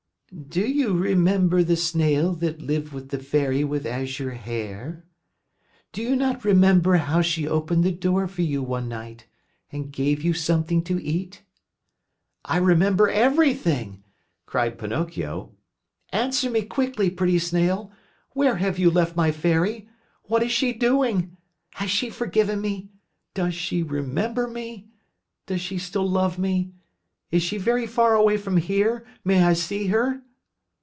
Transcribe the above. "Do you remember the Snail that lived with the Fairy with Azure Hair? Do you not remember how she opened the door for you one night and gave you something to eat?" "I remember everything," cried Pinocchio. "Answer me quickly, pretty Snail, where have you left my Fairy? What is she doing? Has she forgiven me? Does she remember me? Does she still love me? Is she very far away from here? May I see her?"